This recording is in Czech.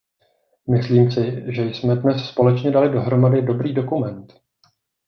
Myslím si, že jsme dnes společně dali dohromady dobrý dokument.